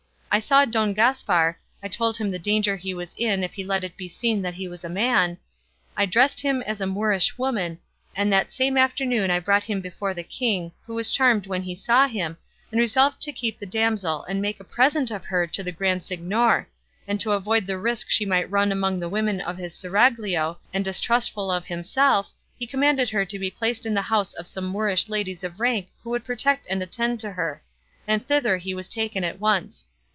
I saw Don Gaspar, I told him the danger he was in if he let it be seen he was a man, I dressed him as a Moorish woman, and that same afternoon I brought him before the king, who was charmed when he saw him, and resolved to keep the damsel and make a present of her to the Grand Signor; and to avoid the risk she might run among the women of his seraglio, and distrustful of himself, he commanded her to be placed in the house of some Moorish ladies of rank who would protect and attend to her; and thither he was taken at once.